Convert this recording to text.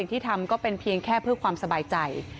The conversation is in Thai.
ที่ทำก็เป็นเพียงแค่เพื่อความสบายใจ